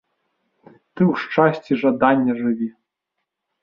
Ты ў шчасці жадання жыві!